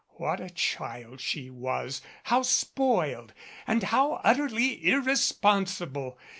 What a child she was, how spoiled and how utterly irresponsible!